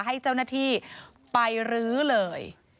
ให้เจ้าหน้าที่ไปรื้อเลย